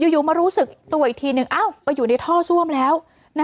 อยู่มารู้สึกตัวอีกทีนึงไปอยู่ในท่อซ่วมแล้ว